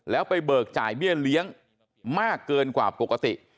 แล้วไปเบิกจ่ายเบี้ยเลี้ยงมากเกินกว่าปกติ